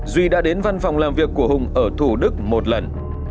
duy đã đến văn phòng làm việc của hùng ở thủ đức một lần